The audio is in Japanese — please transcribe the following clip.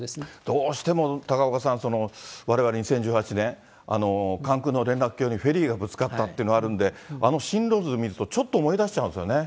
どうしても高岡さん、われわれ２０１８年、関空の連絡橋にフェリーがぶつかったというのあるんで、あの進路図を見ると、ちょっと思い出しちゃうんですよね。